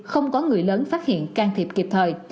không có người lớn phát hiện can thiệp kịp thời